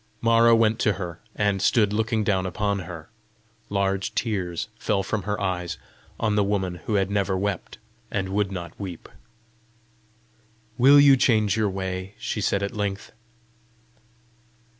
Mara went to her, and stood looking down upon her. Large tears fell from her eyes on the woman who had never wept, and would not weep. "Will you change your way?" she said at length.